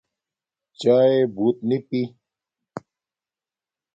چاݵے بوت نی پی